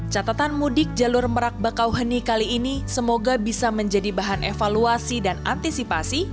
catatan mudik jalur merak bakauheni kali ini semoga bisa menjadi bahan evaluasi dan antisipasi